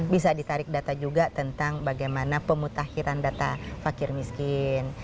bisa ditarik data juga tentang bagaimana pemutakhiran data fakir miskin